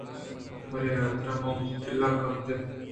پرے حاترا من وتی دلءِ گپ جت